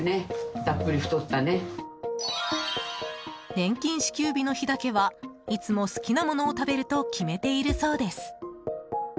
年金支給日の日だけは、いつも好きなものを食べると決めているそうです。